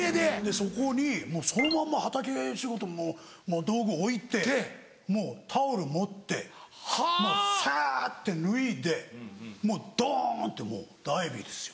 そこにそのまんま畑仕事の道具置いてもうタオル持ってもうさって脱いでもうドンってもうダイブですよ。